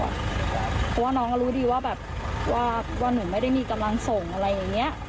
เพราะว่าน้องก็รู้ดีว่าแบบว่าหนูไม่ได้มีกำลังส่งอะไรอย่างนี้